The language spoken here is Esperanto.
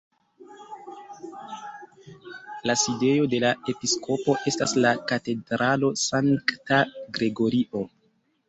La sidejo de la episkopo estas la katedralo Sankta Gregorio.